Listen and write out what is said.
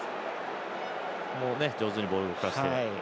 上手にボールを動かして。